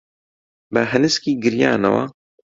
بە هەنسکی گریانەوە